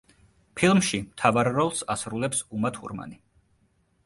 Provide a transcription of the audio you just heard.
ფილმში მთავარ როლს ასრულებს უმა თურმანი.